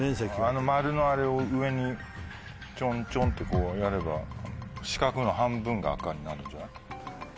あの丸のあれを上にちょんちょんってやれば四角の半分が赤になるんじゃない？